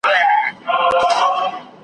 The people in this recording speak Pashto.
په کوهي کي پر اوزګړي باندي ویر سو .